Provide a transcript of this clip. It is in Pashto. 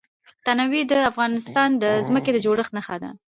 تنوع د افغانستان د ځمکې د جوړښت نښه ده.